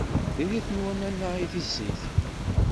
Diri-ten waman-a i tissit.